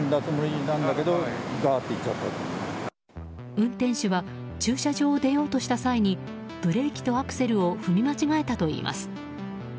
運転手は駐車場を出ようとした際にブレーキとアクセルを踏み間違えたといいます。